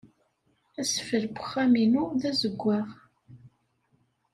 Asfel n wexxam-inu d azewwaɣ.